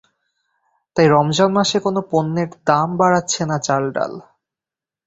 তাই রমজান মাসে কোনো পণ্যের দাম বাড়াচ্ছে না চালডাল।